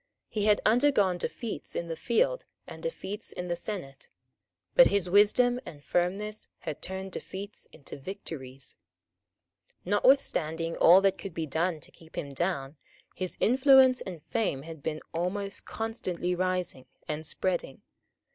He had undergone defeats in the field and defeats in the senate; but his wisdom and firmness had turned defeats into victories. Notwithstanding all that could be done to keep him down, his influence and fame had been almost constantly rising and spreading.